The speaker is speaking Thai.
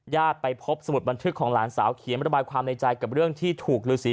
ไปพบสมุดบันทึกของหลานสาวเขียนระบายความในใจกับเรื่องที่ถูกฤษี